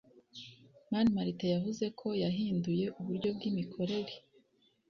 mani martin yavuze ko yahinduye uburyo bw’imikorere